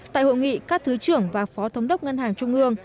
tại hội nghị các thứ trưởng và phó thống đốc ngân hàng trung ương